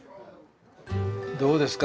どうですか？